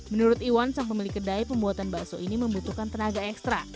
menurut iwan sang pemilik kedai pembuatan bakso ini membutuhkan tenaga ekstra